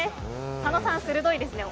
佐野さん、鋭いですね。